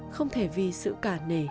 không thể vì sự cả nể